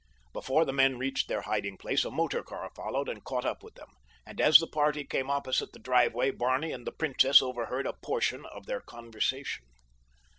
Before the men reached their hiding place a motor car followed and caught up with them, and as the party came opposite the driveway Barney and the princess overheard a portion of their conversation.